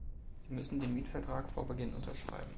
Sie müssen den Mietvertrag vor Beginn unterschreiben.